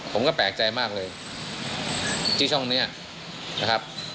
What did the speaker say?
ผมก็แปลกใจมากเลยที่ช่องนี้นะครับ